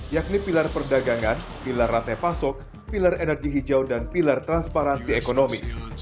yakni pilar perdagangan pilar rantai pasok pilar energi hijau dan pilar transparansi ekonomi